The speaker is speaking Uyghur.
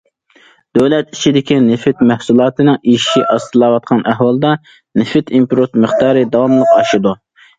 دۆلەت ئىچىدىكى نېفىت مەھسۇلاتىنىڭ ئېشىشى ئاستىلاۋاتقان ئەھۋالدا، نېفىت ئىمپورت مىقدارى داۋاملىق ئاشىدۇ.